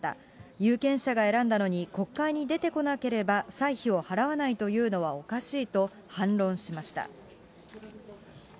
有権者が選んだのに、国会に出てこなければ歳費を払わないというのはおかしいと、反論しました。